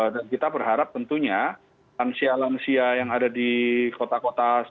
kita berharap tentunya lansia lansia yang ada di kota kota